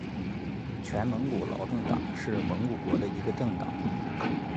全蒙古劳动党是蒙古国的一个政党。